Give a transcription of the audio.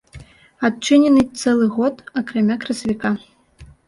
Адчынены цэлы год, акрамя красавіка.